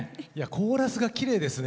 コーラスがきれいですね。